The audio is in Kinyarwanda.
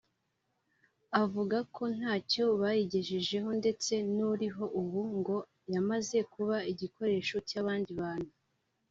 avuga ko ntacyo bayigejejeho ndetse n’uriho ubu ngo yamaze kuba igikoresho cy’abandi bantu